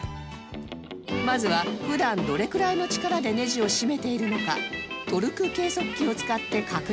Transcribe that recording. まずは普段どれくらいの力でネジを締めているのかトルク計測器を使って確認